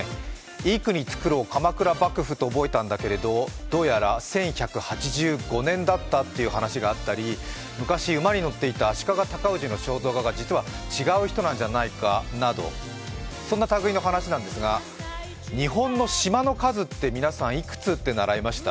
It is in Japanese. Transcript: いい国作ろう鎌倉幕府と覚えたんだけどどうやら１１８５年だったという話があったり、昔、馬に乗っていた足利尊氏の肖像画が違う人だったんではないかなどそんな類いの話なんですが日本の島の数、皆さんいくつと習いました？